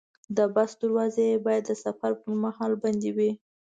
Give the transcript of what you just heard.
د بس دروازې باید د سفر پر مهال بندې وي.